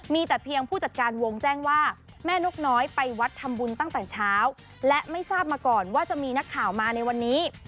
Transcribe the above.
มีแต่เพียงผู้จัดการวงแจ้งว่าแม่นกน้อยไปวัดทำบุญตั้งแต่เช้าและไม่ทราบมาก่อนว่าจะมีนักข่าวมาในวันนี้